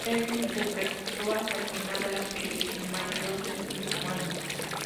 Papel que interpretó hasta el final de la serie en mayo del mismo año.